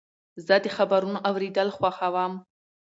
زه د خبرونو اورېدل خوښوم.